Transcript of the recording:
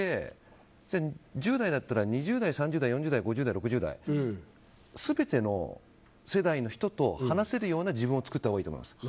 １０代だったら２０代、３０代４０代、５０代、６０代全ての世代の人と話せるような自分を作ったほうがいいと思います。